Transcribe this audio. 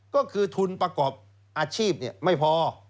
ก็คือทุนประกอบอาชีพไม่พอ